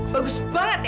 bagus banget ya